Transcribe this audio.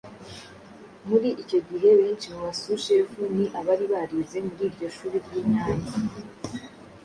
Muri icyo gihe benshi mu ba sushefu ni abari barize muri Iryo shuri ry'i Nyanza.